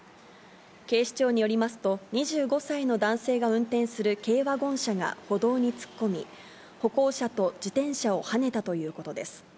警視庁によりますと、２５歳の男性が運転する軽ワゴン車が歩道に突っ込み、歩行者と自転車をはねたということです。